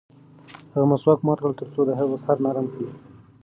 هغه مسواک مات کړ ترڅو د هغې سر نرم کړي.